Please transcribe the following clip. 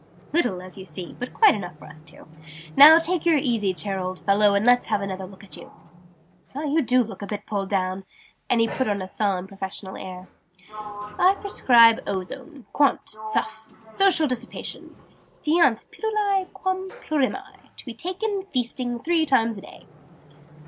"Little, as you see, but quite enough for us two. Now, take the easy chair, old fellow, and let's have another look at you! Well, you do look a bit pulled down!" and he put on a solemn professional air. "I prescribe Ozone, quant. suff. Social dissipation, fiant pilulae quam plurimae: to be taken, feasting, three times a day!"